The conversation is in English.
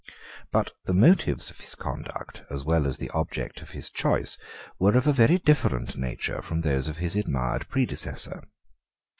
6 But the motives of his conduct, as well as the object of his choice, were of a very different nature from those of his admired predecessor.